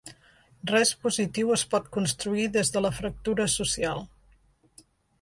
Res positiu es pot construir des de la fractura social.